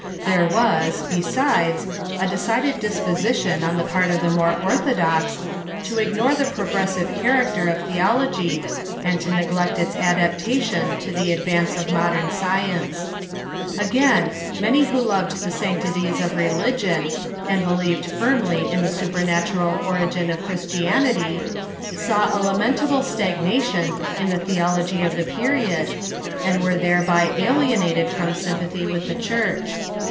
There was, besides, a decided disposition on the part of the more orthodox to ignore the progressive character of theology, and to neglect its adaptation to the advance of mod ern science. Again, many who loved the sanctities of religion, and believed firmly in the supernatural origin of Christianity, saw a lamentable stagnation in the theology of the period, and were thereby alienated from sympathy with the Church.